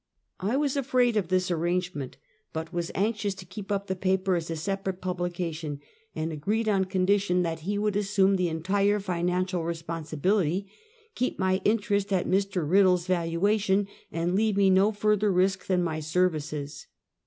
I was afraid of this arrangement, but was anxious Finance and Desertion. 163 to keep up the paper as a separate publication, and agreed on condition that he would assume the entire financial responsibility, keep my interest at Mr, Rid dle's valuation, and leave me no further risk than my services.